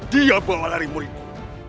dia bawa lari muridku